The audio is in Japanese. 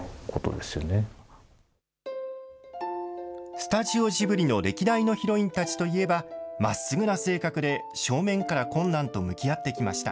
スタジオジブリの歴代のヒロインたちといえば、まっすぐな性格で、正面から困難と向き合ってきました。